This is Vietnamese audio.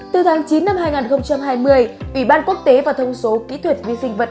từ tháng chín năm hai nghìn hai mươi ủy ban quốc tế và thông số kỹ thuật vi sinh vật